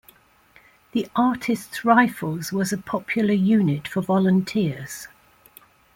The Artists Rifles was a popular unit for volunteers.